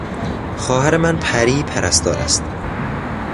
خواهر من پری پرستار است.